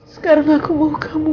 sekarang aku mau kamu